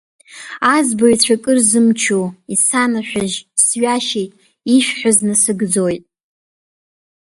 Аӡбаҩцәа кыр зымчу, исанашәыжь, сҩашьеит, ишәҳәаз насыгӡоит.